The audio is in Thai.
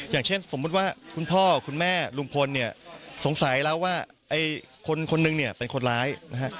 อย่างเช่นสมมุติว่าคุณพ่อคุณแม่ลุงพลเนี่ยสงสัยแล้วว่าไอ้คนนึงเนี่ยเป็นคนร้ายนะฮะ